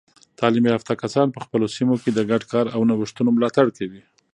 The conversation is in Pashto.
تعلیم یافته کسان په خپلو سیمو کې د ګډ کار او نوښتونو ملاتړ کوي.